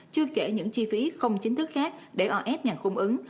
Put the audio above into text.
chưa kể những chi phí không chính thức khác để o ép nhằn khung ứng